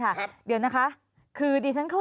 เจ้าหน้าที่แรงงานของไต้หวันบอก